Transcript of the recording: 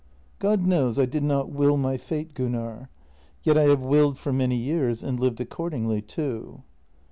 " God knows I did not will my fate, Gunnar. Yet I have willed for many years and lived accordingly, too."